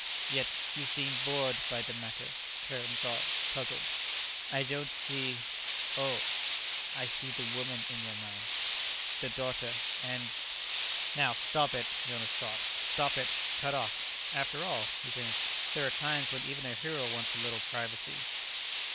"Yet you seem bored by the matter," Claerten thought, puzzled. "I don't see ... oh. I see the woman in your mind. The daughter. And " "Now, stop it," Jonas thought. "Stop it. Cut off. After all," he finished, "there are times when even a hero wants a little privacy."